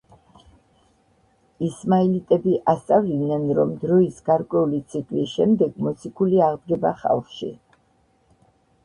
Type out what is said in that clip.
ისმაილიტები ასწავლიდნენ, რომ დროის გარკვეული ციკლის შემდეგ მოციქული აღდგება ხალხში.